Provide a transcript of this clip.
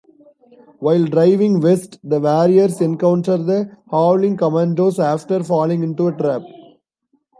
While driving West, the Warriors encounter the Howling Commandos after falling into a trap.